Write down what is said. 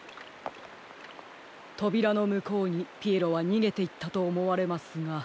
とびらのむこうにピエロはにげていったとおもわれますが。